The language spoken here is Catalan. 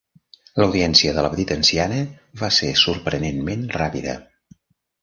L'audiència de la petita anciana va ser sorprenentment ràpida.